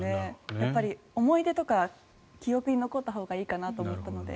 やっぱり思い出とか記憶に残ったほうがいいかなと思ったので。